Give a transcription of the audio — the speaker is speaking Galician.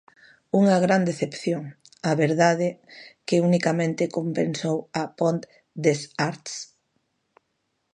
Unha gran decepción, a verdade, que unicamente compensou a Pont des Arts.